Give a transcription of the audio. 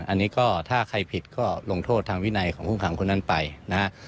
อันนี้ก็ถ้าใครผิดก็ลงโทษทางวินัยของผู้ขังคนนั้นไปนะฮะ